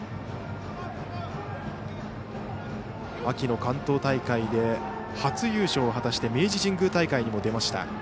秋の関東大会で初優勝を果たして明治神宮大会にも出ました。